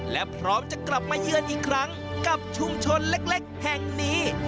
และพร้อมจะกลับมาเยือนอีกครั้งกับชุมชนเล็กแห่งนี้